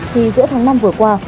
thì giữa tháng năm vừa qua